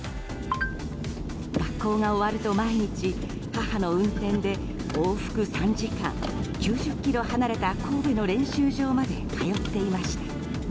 学校が終わると毎日、母の運転で往復３時間９０ｋｍ離れた神戸の練習場まで通っていました。